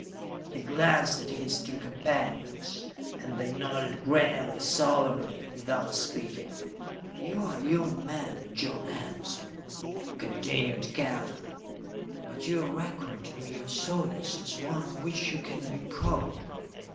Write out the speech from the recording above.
He glanced at his two companions, and they nodded gravely, solemnly, without speaking. "You are a young man, John Hanson," continued Kellen, "but your record in your service is one of which you can be proud.